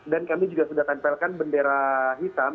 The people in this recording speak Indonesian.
dan kami juga sudah tempelkan bendera hitam